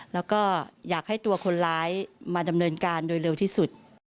แล้วก็อยากให้ตัวคนร้ายมาดำเนินการโดยเร็วที่สุด